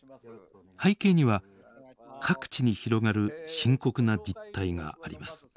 背景には各地に広がる深刻な実態があります。